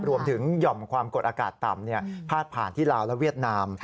หย่อมความกดอากาศต่ำพาดผ่านที่ลาวและเวียดนาม